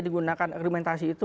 digunakan argumentasi itu